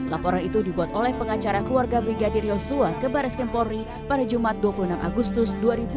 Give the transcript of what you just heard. laporan itu dibuat oleh pengacara keluarga brigadir yosua ke baris krim polri pada jumat dua puluh enam agustus dua ribu dua puluh